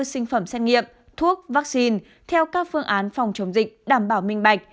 sinh phẩm xét nghiệm thuốc vaccine theo các phương án phòng chống dịch đảm bảo minh bạch